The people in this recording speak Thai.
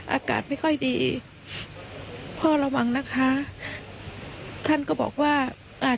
อากาศไม่ค่อยดีพ่อระวังนะคะท่านก็บอกว่าอ่า